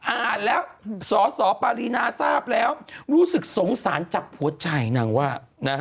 อ่านแล้วสอสอปารีนาทราบแล้วรู้สึกสงสารจับหัวใจนางว่า